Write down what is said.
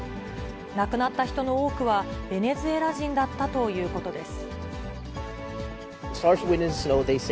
亡くなった人の多くはベネズエラ人だったということです。